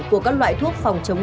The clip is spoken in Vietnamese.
của các loại thuốc phòng chống